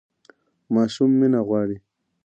ماشوم مینه غواړي